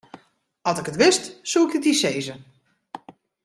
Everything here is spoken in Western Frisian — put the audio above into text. As ik it wist, soe ik it dy sizze.